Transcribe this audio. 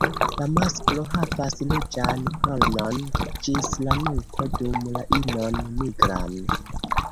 La masklo havas ruĝan kronon ĝis la nuko, dum la inon nigran.